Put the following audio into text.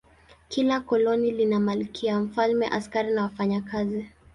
Kila koloni lina malkia, mfalme, askari na wafanyakazi.